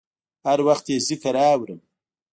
هر وخت یې ذکر اورم